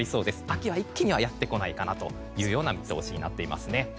秋は一気にはやってこないかなという見通しになっていますね。